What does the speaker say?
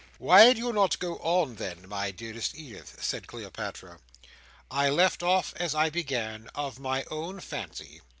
"Why do you not go on then, my dearest Edith?" said Cleopatra. "I left off as I began—of my own fancy."